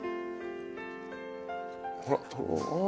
ほら。